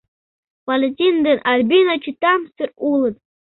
Валентин ден Альбина чытамсыр улыт.